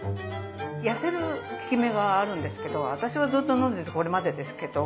痩せる効き目があるんですけど私はずっと飲んでてこれですけど。